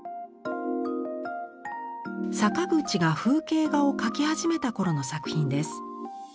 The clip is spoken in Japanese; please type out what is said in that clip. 坂口が風景画を描き始めた頃の作品です。